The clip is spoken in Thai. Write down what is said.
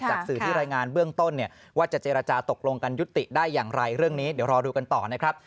สื่อที่รายงานเบื้องต้นเนี่ยว่าจะเจรจาตกลงกันยุติได้อย่างไรเรื่องนี้เดี๋ยวรอดูกันต่อนะครับ